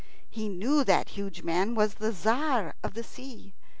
He knew that the huge man was the Tzar of the Sea.